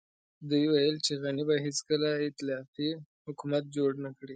دوی ويل چې غني به هېڅکله ائتلافي حکومت جوړ نه کړي.